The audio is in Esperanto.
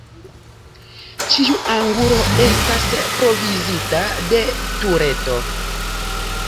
Ĉiu angulo estas provizita de tureto.